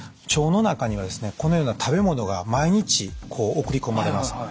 腸の中にはですねこのような食べ物が毎日こう送り込まれます。